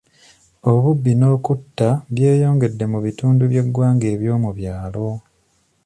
Obubbi n'okutta byeyongedde mu bitundu by'eggwanga eby'omu byalo.